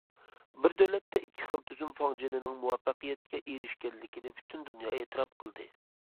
‹‹ بىر دۆلەتتە ئىككى خىل تۈزۈم›› فاڭجېنىنىڭ مۇۋەپپەقىيەتكە ئېرىشكەنلىكىنى پۈتۈن دۇنيا ئېتىراپ قىلدى.